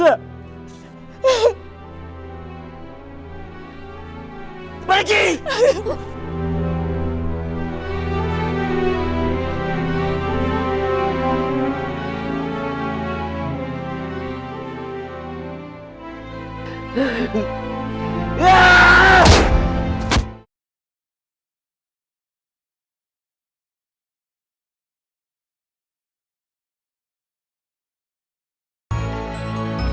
ruang tempat itu humour